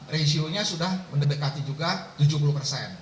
rasionya sudah mendekati juga tujuh puluh persen